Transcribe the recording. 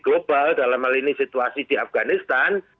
global dalam hal ini situasi di afganistan